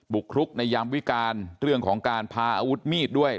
กรุกในยามวิการเรื่องของการพาอาวุธมีดด้วย